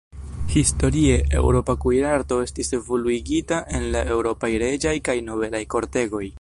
Historie, eŭropa kuirarto estis evoluigita en la eŭropaj reĝaj kaj nobelaj kortegoj.